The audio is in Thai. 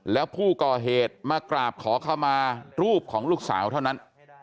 แล้วผู้ก่อเหตุมากราบขอเข้ามารูปของลูกสาวเท่านั้น